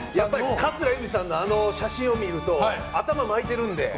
桂由美さんのあの写真を見ると頭、巻いてるので。